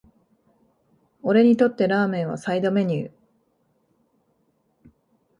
俺にとってラーメンはサイドメニュー